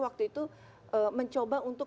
waktu itu mencoba untuk